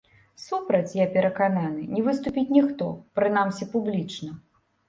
Супраць, я перакананы, не выступіць ніхто, прынамсі, публічна.